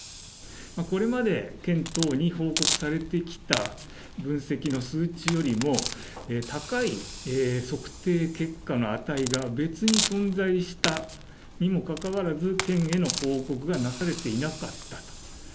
これまで県等に報告されてきた分析の数値よりも、高い測定結果の値が別に存在したにもかかわらず、県への報告がなされていなかったと。